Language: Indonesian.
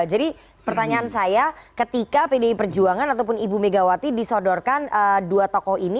jadi pertanyaan saya ketika pdi perjuangan ataupun ibu megawati disodorkan dua tokoh ini